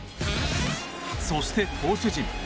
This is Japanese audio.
そして、投手陣。